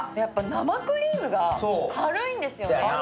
生クリームが軽いんですよね。